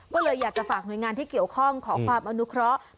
ก็เลยอยากจะฝากหน่วยงานที่เกี่ยวข้องขอความอนุเคราะห์